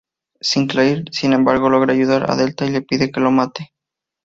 Sinclair, sin embargo, logra ayudar a Delta y le pide que lo mate.